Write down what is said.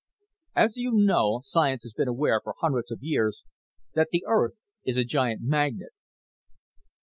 "As you know, science has been aware for hundreds of years that the Earth is a giant magnet...."